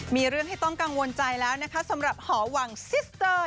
มีเรื่องให้ต้องกังวลใจแล้วนะคะสำหรับหอวังซิสเตอร์